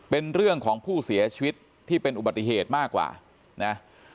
เป็นเรื่องของผู้เสียชีวิตที่เป็นอุบัติเหตุมากกว่านะ